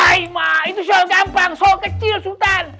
aima itu soal gampang so kecil sultan